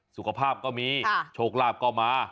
สุขภาพก็มีโชคลาภก็มา